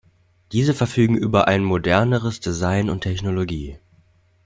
Diese verfügen über ein moderneres Design und Technologie.